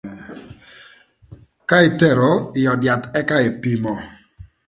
Ka itero ï öd yath ëka epimo